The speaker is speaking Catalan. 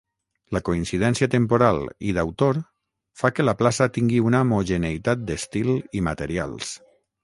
La coincidència temporal i d'autor fa que la plaça tingui una homogeneïtat d'estil i materials.